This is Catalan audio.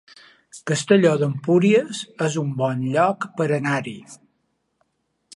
Castelló d'Empúries es un bon lloc per anar-hi